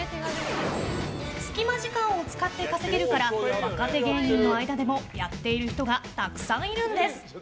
隙間時間を使って稼げるから若手芸人の間でもやっている人がたくさんいるんです。